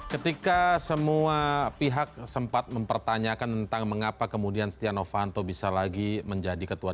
ketika semua pihak sempat mempertanyakan tentang mengapa kemudian stiano fanto bisa lagi menjadi ketua